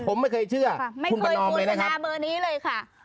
ผมไม่เคยเชื่อไม่เคยโฆษณาเบอร์นี้เลยค่ะ